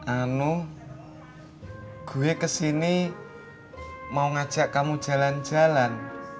anu gue kesini mau ngajak kamu jalan jalan